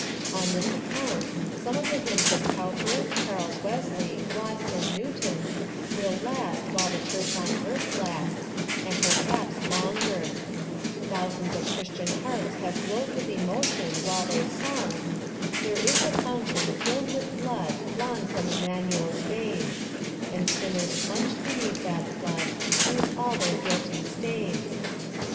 On this account some of the hymns of Cowper, Charles Wesley, Watts, and Newton, will last while the church on earth lasts, and perhaps longer. Thou sands of Christian hearts have glowed with emcv tion, while they sung. There is a fountain filFd with blood, Drawn from Immanuel's veins ; And sinners plunged beneath that llood Lose all their guilty stains.